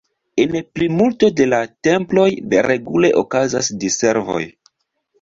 En plimulto de la temploj regule okazas diservoj.